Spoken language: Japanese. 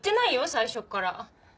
最初から。